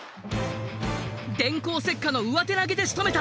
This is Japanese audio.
電光石火の上手投げでしとめた。